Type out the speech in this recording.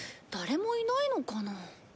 誰もいないのかな？